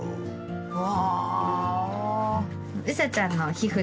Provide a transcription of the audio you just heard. うわ！